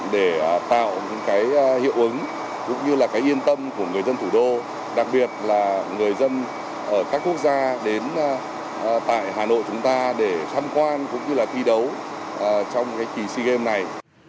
để tạo những cái hiệu ứng cũng như là cái yên tâm của người dân thủ đô đặc biệt là người dân ở các quốc gia đến tại hà nội chúng ta để tham quan cũng như là thi đấu trong cái kỳ sea games này